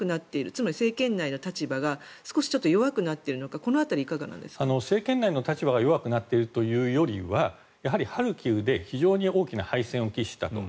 つまり、政権内の立場が弱くなっているのか政権内の立場が弱くなっているというよりはやはりハルキウで非常に大きな敗戦を喫したと。